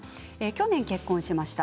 去年、結婚しました。